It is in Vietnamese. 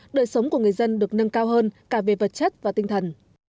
đời sống của người dân được nâng cao hơn cả về vật chất và tinh thần